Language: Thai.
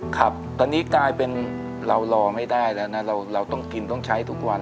ครับตอนนี้กลายเป็นเรารอไม่ได้แล้วนะเราต้องกินต้องใช้ทุกวัน